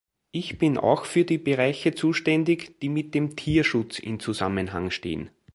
Ich bin auch für die Bereiche zuständig, die mit dem Tierschutz in Zusammenhang stehen.